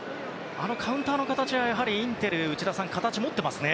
あのカウンターの形はインテルは内田さん、形を持ってますね。